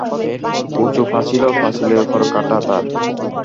উঁচু পাচিল, পাঁচিলের উপর কাটা তার।